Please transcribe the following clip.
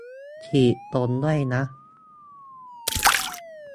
ฉีกตรงด้วยนะ